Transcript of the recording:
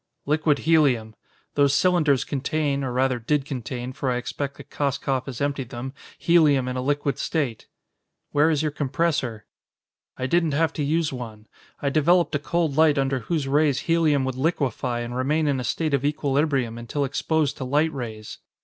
"Liquid helium. Those cylinders contain, or rather did contain, for I expect that Koskoff has emptied them, helium in a liquid state." "Where is your compressor?" "I didn't have to use one. I developed a cold light under whose rays helium would liquefy and remain in a state of equilibrium until exposed to light rays.